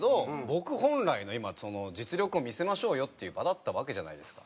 僕本来の今実力を見せましょうよっていう場だったわけじゃないですか。